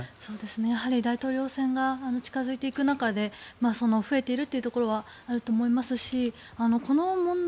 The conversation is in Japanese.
やはり大統領選が近付いていく中で増えているというところはあると思いますしこの問題